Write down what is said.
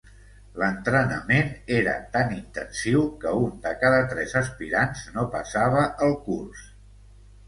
L'entrenament era tan intensiu que un de cada tres aspirants no passava el curs.